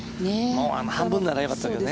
半分ならよかったよね。